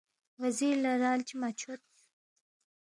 وزیر لہ رال چی مہ چھودس